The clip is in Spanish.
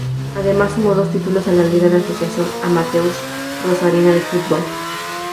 Además sumó dos títulos en la liga de la Asociación Amateurs Rosarina de Football.